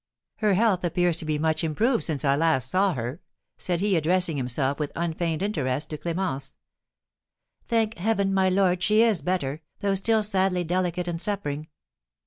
"Her health appears to me much improved since I last saw her," said he, addressing himself with unfeigned interest to Clémence. "Thank heaven, my lord, she is better, though still sadly delicate and suffering."